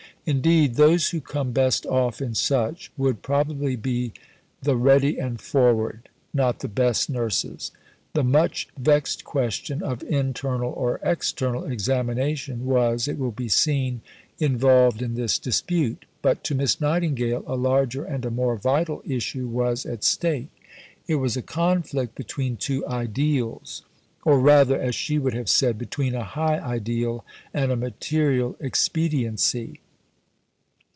Indeed, those who come best off in such would probably be the ready and forward, not the best nurses." The much vexed question of "internal" or "external" examination was, it will be seen, involved in this dispute. But to Miss Nightingale a larger and a more vital issue was at stake. It was a conflict between two ideals or rather, as she would have said, between a high ideal and a material expediency.